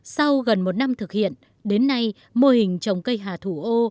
sau gần một năm thực hiện đến nay mô hình trồng cây hà thủ ô